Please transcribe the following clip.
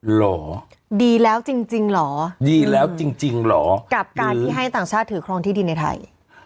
เหรอดีแล้วจริงจริงเหรอดีแล้วจริงจริงเหรอกับการที่ให้ต่างชาติถือครองที่ดินในไทย